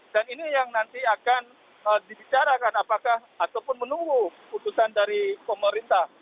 dan ini yang nanti akan dibicarakan apakah ataupun menunggu keputusan dari pemerintah